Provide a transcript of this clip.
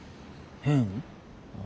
変？